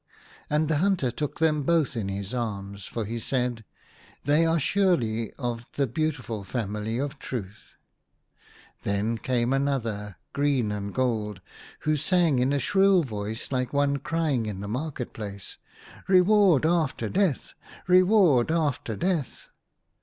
" And the hunter took them both in his arms, for he said — "They are surely of the beautiful family of Truth." 30 THE HUNTER. Then came another, green and gold, who sang in a shrill voice, like one cry ing in the market place, —" Reward after Death ! Reward after Death